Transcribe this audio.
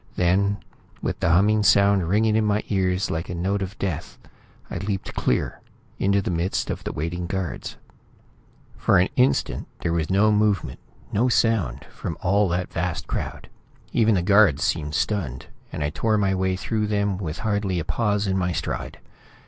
Then, with the humming sound ringing in my ears like a note of death, I leaped clear, into the midst of the waiting guards. For an instant, there was no movement, no sound, from all that vast crowd. Even the guards seemed stunned, and I tore my way through them with hardly a pause in my stride.